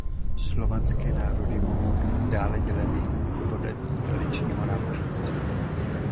Slovanské národy mohou být dále děleny podle tradičního náboženství.